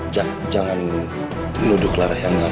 jangan nuduh clara ya